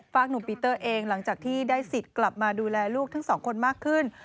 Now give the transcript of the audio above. หนุ่มปีเตอร์เองหลังจากที่ได้สิทธิ์กลับมาดูแลลูกทั้งสองคนมากขึ้น